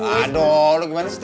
aduh lu gimana sih